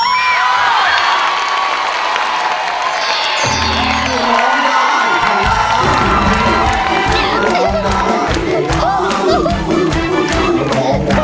ได้แล้วค่ะได้แล้ว